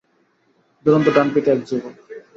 দূরন্ত ডানপিটে এক যুবক।